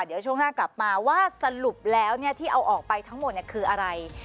เดี๋ยวช่วงหน้ากลับมาว่าสรุปแล้วที่เอาออกไปทั้งหมดคืออะไร